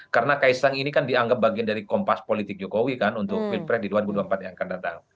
karena kaesang ini kan dianggap bagian dari kompas politik jokowi kan untuk pilpres di dua ribu dua puluh empat yang akan datang